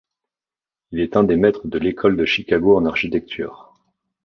Il est un des maîtres de l'école de Chicago en architecture.